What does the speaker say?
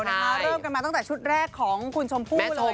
เริ่มกันมาตั้งแต่ชุดแรกของคุณชมพู่เลย